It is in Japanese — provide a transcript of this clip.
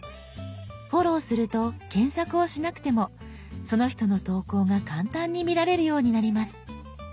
フォローすると検索をしなくてもその人の投稿が簡単に見られるようになります。